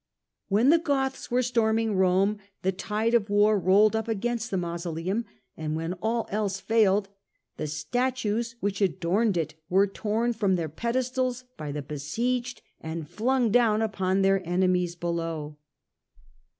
When the Goths were storming Rome, the tide of war rolled up against the mausoleum, and when all else failed the statues which adorned it were torn from their pe destals by the besieged, and flung down upon their enemies below.